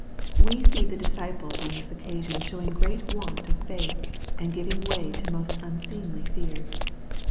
We see the disciples on this occa sion showing great want of faith, and giving way to most unseemly fears.